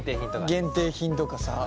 限定品とかさ。